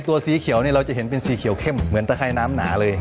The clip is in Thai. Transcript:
สีเขียวเนี่ยเราจะเห็นเป็นสีเขียวเข้มเหมือนตะไครน้ำหนาเลย